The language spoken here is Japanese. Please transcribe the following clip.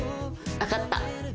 分かった。